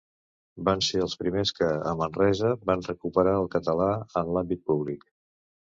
Van ser els primers que, a Manresa, van recuperar el català en l’àmbit públic.